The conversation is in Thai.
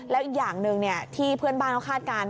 แล้วอีกอย่างหนึ่งที่เพื่อนบ้านเขาคาดการณ์